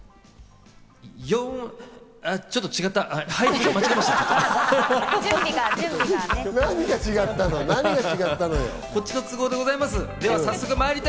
よあっ、ちょっと違った、間違えました。